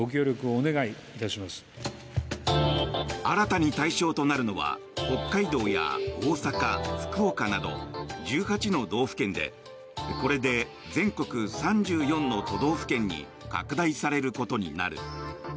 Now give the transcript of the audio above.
新たに対象となるのは北海道や大阪、福岡など１８の道府県でこれで全国３４の都道府県に拡大されることになる。